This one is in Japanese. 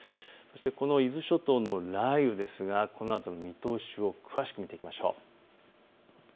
この伊豆諸島の雷雨ですがこのあとの見通しを詳しく見ていきましょう。